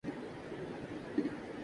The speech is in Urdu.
أور زور سے۔